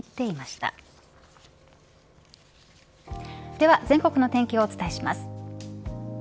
では全国の天気をお伝えします。